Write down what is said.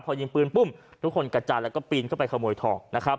พอยิงปืนทุกคนกระจานแล้วก็ปีนเข้าไปขโมยทอง